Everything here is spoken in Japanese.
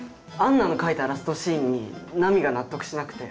杏奈の書いたラストシーンに波が納得しなくて。